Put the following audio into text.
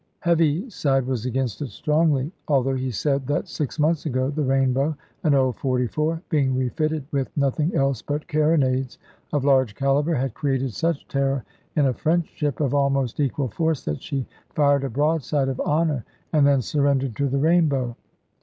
Heaviside was against it strongly, although he said that six months ago the Rainbow, an old 44, being refitted with nothing else but carronades of large caliber, had created such terror in a French ship of almost equal force, that she fired a broadside of honour, and then surrendered to the Rainbow.